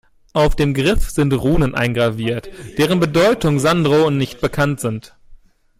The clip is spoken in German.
Auf dem Griff sind Runen eingraviert, deren Bedeutung Sandro nicht bekannt sind.